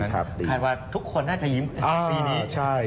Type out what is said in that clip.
คาดว่าทุกคนน่าจะยิ้มปีนี้